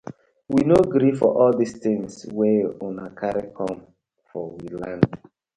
We no gree for all dis tinz wey una karry com for we land.